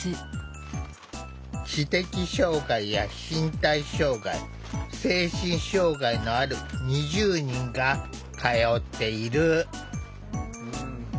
知的障害や身体障害精神障害のある２０人が通っている。